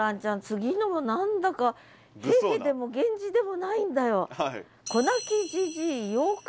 次のも何だか平家でも源氏でもないんだよ。